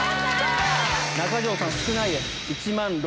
中条さん少ないです。